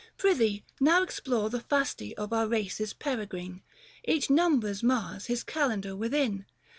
Prythee now explore The Fasti of our races peregrine, 95 Each numbers Mars his kalendar within.